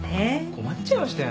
困っちゃいましたよ。